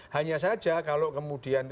hanya saja kalau kemudian